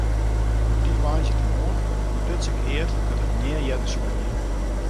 Op dy woansdeitemoarn ûntduts ik eat dat ik nea earder sjoen hie.